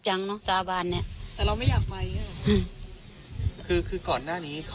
จ้าจ้าบ้านเค้าเนอะไป